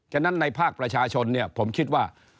ฉะนั้นในภาคประชาชนเนี่ยผมคิดว่า